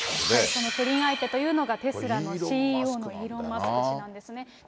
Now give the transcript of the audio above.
その不倫相手というのが、テスラのＣＥＯのイーロン・マスク氏なんですね。